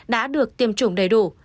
đã được tiêm chủng đầy đủ